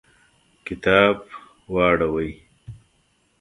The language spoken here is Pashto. کتاب واوړوئ